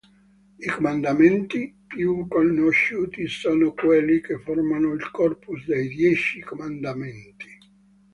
I comandamenti più conosciuti sono quelli che formano il "corpus" dei Dieci Comandamenti.